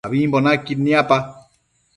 Ambimbo naquid niapa